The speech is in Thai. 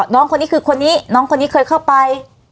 น้องคนนี้คือคนนี้น้องคนนี้เคยเข้าไป